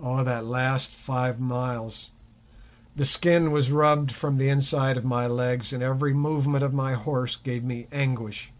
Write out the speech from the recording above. Oh, that last five miles! The skin was rubbed from the inside of my legs, and every movement of my horse gave me anguish.